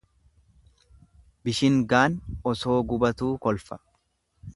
Bishingaan osoo gubatuu kolfa.